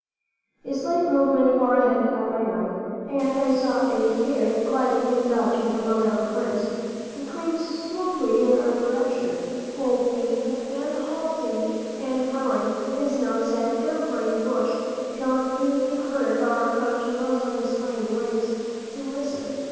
A slight movement far ahead caught my eye, and I saw a hare gliding and dodging among the brown ferns. He came slowly in our direction, hopping and halting and wiggling his nose at every bush, till he heard our approach and rose on his hind legs to listen.